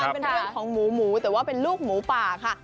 เป็นเรื่องของหมูหมูแต่ว่าเป็นลูกหมูป่าค่ะ